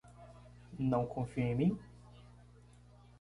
Não confia em mim?